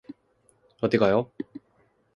어디 가요?